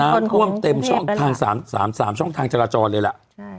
ท่วมเต็มช่องทาง๓ช่องทางจราจรเลยล่ะ